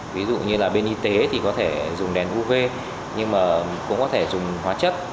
ví dụ như là bên y tế thì có thể dùng đèn uv nhưng mà cũng có thể dùng hóa chất